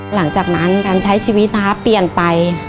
หลังจากนั้นการใช้ชีวิตนะคะเปลี่ยนไป